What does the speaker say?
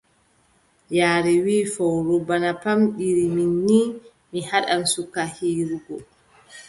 Yaare wii, fowru bana pamɗiri mi, nii, mi haɗan suka hiirugo.